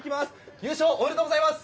優勝、おめでとうございます。